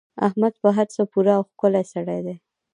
احمد په هر څه پوره او ښکلی سړی دی.